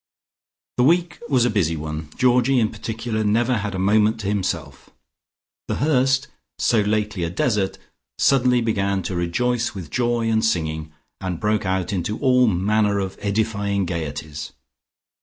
The week was a busy one: Georgie in particular never had a moment to himself. The Hurst, so lately a desert, suddenly began to rejoice with joy and singing and broke out into all manner of edifying gaieties.